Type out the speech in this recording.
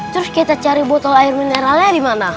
terus kita cari botol air mineralnya dimana